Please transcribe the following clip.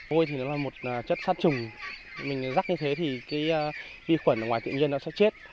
vôi thì nó là một chất sát chùm mình rắc như thế thì vi khuẩn ở ngoài tự nhiên nó sẽ chết